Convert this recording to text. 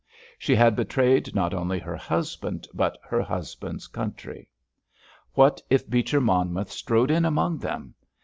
She had betrayed not only her husband but her husband's country. What if Beecher Monmouth strode in among them?